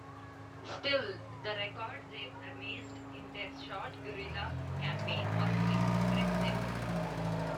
Still, the record they amassed in their short guerilla campaign was impressive.